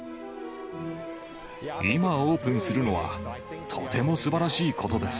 今オープンするのはとてもすばらしいことです。